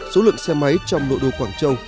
số lượng xe máy trong nội đô quảng châu